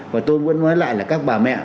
và tôi vẫn nói lại là các bà mẹ